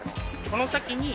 この先に。